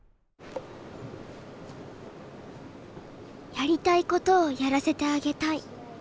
やりたいことをやらせてあげたい。